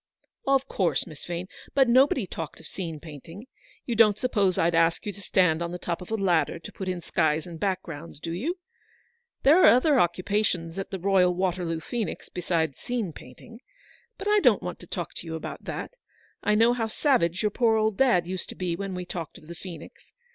" Of course, Miss Vane. But nobody talked of scene painting. You don't suppose I'd ask you to stand on the top of a ladder to put in skies and backgrounds, do you ? There are other occupations at the Royal Waterloo Phoenix besides scene painting. But I don't want to talk to you about that : I know how savage your poor old dad used to be when we talked of the Phoenix.